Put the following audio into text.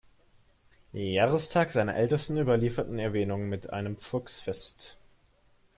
Jahrestag seiner ältesten überlieferten Erwähnung mit einem Volksfest.